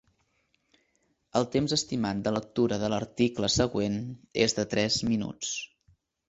El temps estimat de lectura de l'article següent és de tres minuts.